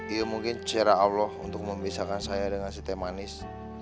ya mungkin secara allah untuk memisahkan saya dengan si temanis